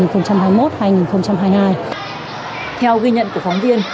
theo ghi nhận của phóng viên